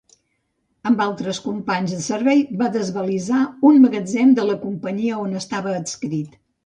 Amb altres companys de servei, va desvalisar un magatzem de la companyia on estava adscrit.